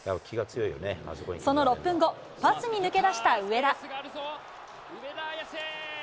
その６分後、パスに抜け出した上田。